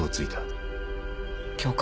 教官。